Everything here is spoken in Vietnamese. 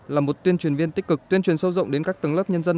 là một tuyên truyền viên tích cực tuyên truyền sâu rộng đến các tầng lớp nhân dân